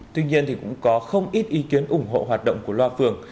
tuy nhiên thì cũng có không ít ý kiến ủng hộ hoạt động của loa phường